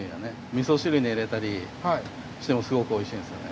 味噌汁に入れたりしてもすごくおいしいんですよね。